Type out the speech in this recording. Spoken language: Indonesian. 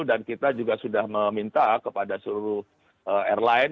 dan kita juga sudah meminta kepada seluruh airline